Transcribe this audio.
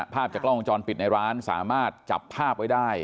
ภาพจากกล้องวงจรปิดในร้านสามารถจับภาพไว้ได้